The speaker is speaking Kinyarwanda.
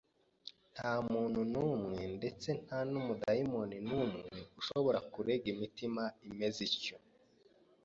Nta muntu n'umwe ndetse nta n'umudaimoni n'umwe ushobora kurega imitima imeze ityo